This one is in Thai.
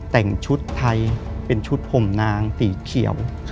แต่งชุดไทยเป็นชุดผมนางสีเขียว